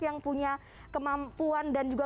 yang punya kemampuan dan juga